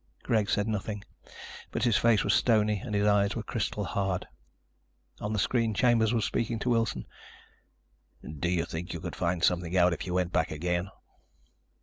Greg said nothing, but his face was stony and his eyes were crystal hard. On the screen Chambers was speaking to Wilson. "Do you think you could find something out if you went back again?"